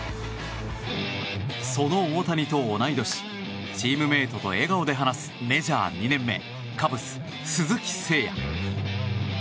その大谷と同い年チームメートと笑顔で話すメジャー２年目カブス、鈴木誠也。